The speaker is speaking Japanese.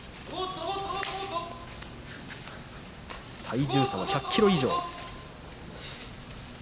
体重差は１００ｋｇ以上。